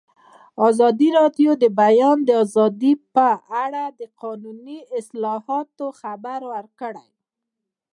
ازادي راډیو د د بیان آزادي په اړه د قانوني اصلاحاتو خبر ورکړی.